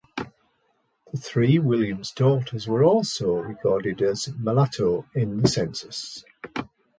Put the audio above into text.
The three Williams daughters were also recorded as Mulatto in the Census.